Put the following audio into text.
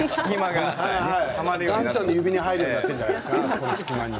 岩ちゃんの指に入るようになってるんじゃないですか、あそこの隙間に。